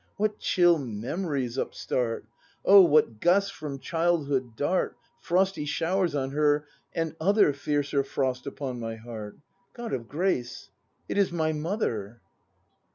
] What chill memories upstart, — O, what gusts from childhood dart Frosty showers on her — and other Fiercer frost upon my heart —? God of grace! It is my Mother!